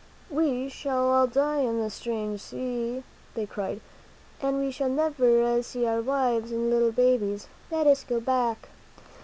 "We shall all die in this strange sea," they cried, "and we shall never see our wives and little babies. Let us go back."